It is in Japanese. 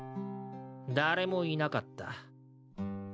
誰もいなかった。